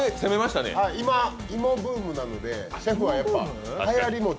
今、芋ブームなのでシェフはやっぱりはやりも。